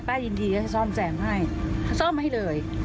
ป้ายินดีจะซ่อมแสงให้ซ่อมให้เลย